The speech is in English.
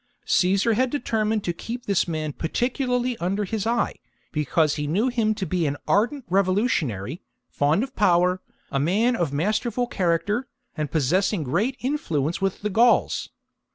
Caesar had determined to keep this man particularly under his eye, because he knew K 130 CAESAR'S SECOND INVASION book 54 B.C. him to be an ardent revolutionary, fond of power, a man of masterful character, and possessing great influence with the Gauls.